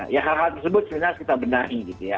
ya hal hal tersebut sebenarnya harus kita benahi gitu ya